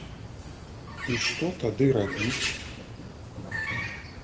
І што тады рабіць?